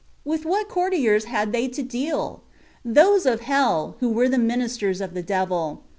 With what courtiers had they to deal ? Those of hell, who were the ministers of the devil.